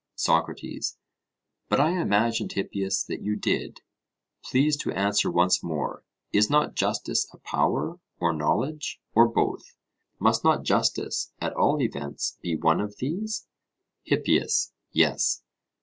SOCRATES: But I imagined, Hippias, that you did. Please to answer once more: Is not justice a power, or knowledge, or both? Must not justice, at all events, be one of these? HIPPIAS: Yes.